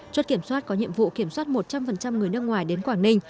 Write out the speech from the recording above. chốt kiểm soát có nhiệm vụ kiểm soát một trăm linh người nước ngoài đến quảng ninh